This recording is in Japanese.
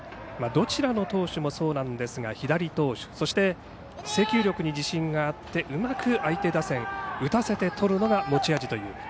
どちらの投手もそうなんですが左投手で、制球力に自信があってうまく相手打線を打たせてとるのが持ち味という。